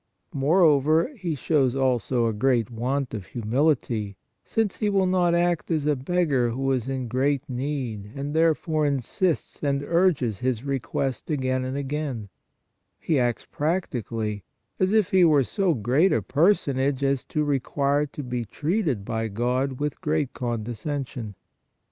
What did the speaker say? Moreover, he shows also a great want of humility, since he will not act as a beggar who is in great need, and there fore insists and urges his request again and again; he acts practically, as if he were so great a person age as to require to be treated by God with great condescension.